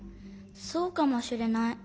そうかもしれない。